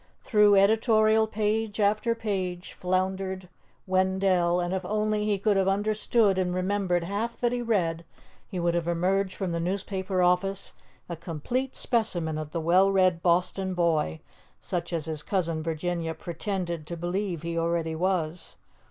Through editorial page after page floundered Wendell, and if only he could have understood and remembered half that he read, he would have emerged from the newspaper office a complete specimen of the well read Boston boy, such as his Cousin Virginia pretended to believe he already was.